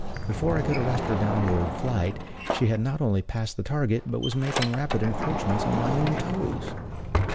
Before I could arrest her downward flight, she had not only passed the target, but was making rapid encroachments on my own toes.